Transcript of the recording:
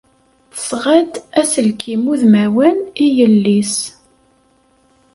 Tesɣa-d aselkim udmawan i yelli-s.